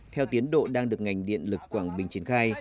theo tiến độ đang được ngành điện lực quảng bình triển khai